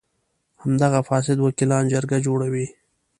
همدغه فاسد وکیلان جرګه جوړوي.